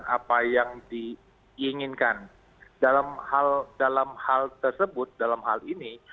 apa yang diinginkan dalam hal tersebut dalam hal ini